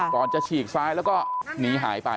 ก่อนจะฉีกซ้ายแล้วก็หนีหายไป